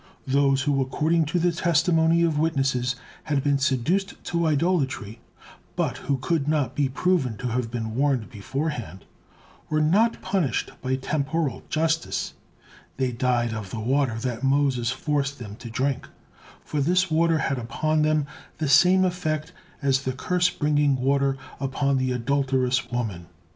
Those who, according to the testimony of witnesses, had been seduced to idolatry, but who could not be proven to have been warned beforehand, were not punished by temporal justice, they died of the water that Moses forced them to drink; for this water had upon them the same effect as the curse bringing water upon the adulterous woman.